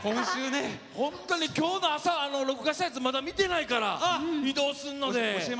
本当に今日の朝、録画したやつまだ見てないから。